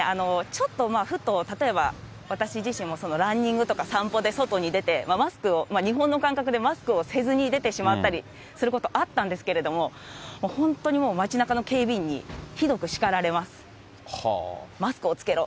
ちょっと、ふと、例えば、私自身もランニングとか散歩で外に出て、マスクを、日本の感覚でマスクをせずに出てしまったりすることあったんですけれども、本当に街なかの警備員にひどく叱られます。